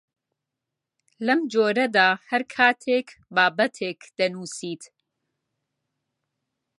لەم جۆرەدا هەر کاتێک بابەتێک دەنووسیت